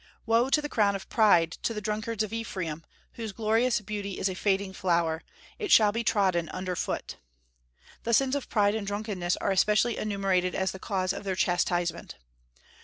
"Woe to the crown of pride, to the drunkards of Ephraim, whose glorious beauty is a fading flower; it shall be trodden under foot." The sins of pride and drunkenness are especially enumerated as the cause of their chastisement.